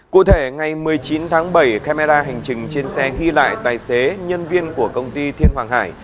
cụ thể ngày một mươi chín tháng bảy camera hành trình trên xe ghi lại tài xế nhân viên của công ty thiên hoàng hải